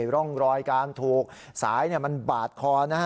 ร่องรอยกางถูกสายบาดคอ